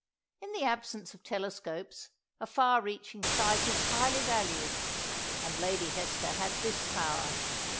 In the absence of telescopes a far reaching sight is highly valued; and Lady Hester had this power.